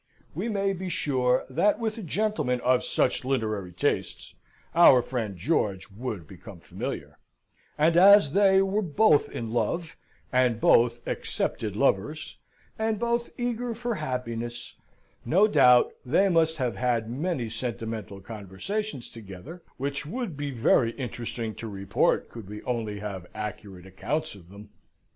We may be sure that with a gentleman of such literary tastes our friend George would become familiar; and as they were both in love, and both accepted lovers, and both eager for happiness, no doubt they must have had many sentimental conversations together which would be very interesting to report could we only have accurate accounts of them.